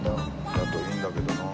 だといいんだけどなあ。